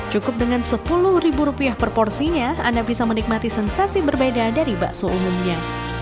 cukup dengan sepuluh ribu rupiah per porsinya anda bisa menikmati sensasi berbeda dari bakso umumnya